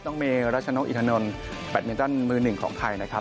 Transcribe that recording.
น้องเมย์รัชโน้งอีธานนท์แบตเบนตันมือหนึ่งของไทยนะครับ